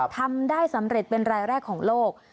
ทำได้สำเร็จเป็นรายแรกของโลก